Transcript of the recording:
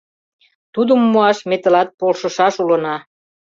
Тудым муаш ме тылат полшышаш улына.